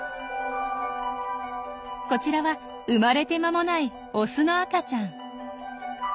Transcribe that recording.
こちらは生まれて間もないオスの赤ちゃん。